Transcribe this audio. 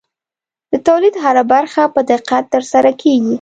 د تولید هره برخه په دقت ترسره کېږي.